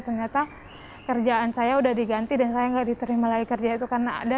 ternyata kerjaan saya udah diganti dan saya nggak diterima lagi kerja itu karena ada